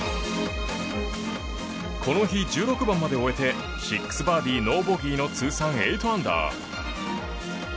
この日、１６番まで終えて６バーディー、ノーボギーの通算８アンダー。